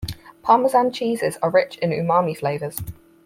Parmesan cheeses are rich in umami flavors.